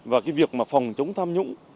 và cái việc mà phòng chống tham nhũng